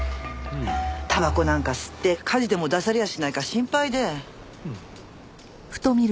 たばこなんか吸って火事でも出されやしないか心配で。